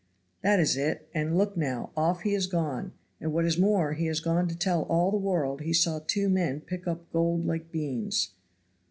"That is it. And look now, off he is gone; and, what is more, he has gone to tell all the world he saw two men pick up gold like beans."